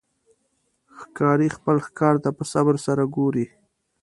ښکاري خپل ښکار ته په صبر سره ګوري.